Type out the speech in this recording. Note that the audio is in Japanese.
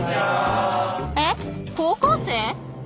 えっ高校生！？